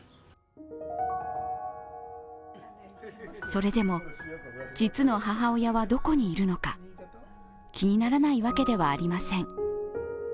それでも実の母親はどこにいるのか、気にならないわけではありません。